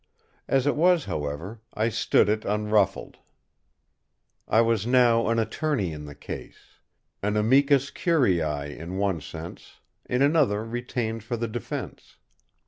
As it was, however, I stood it unruffled. I was now an attorney in the case; an amicus curiae in one sense, in another retained for the defence.